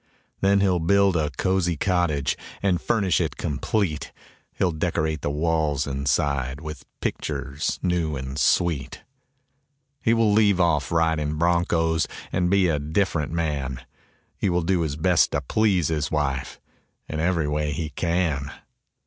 Then he'll build a cozy cottage And furnish it complete, He'll decorate the walls inside With pictures new and sweet. He will leave off riding broncos And be a different man; He will do his best to please his wife In every way he can.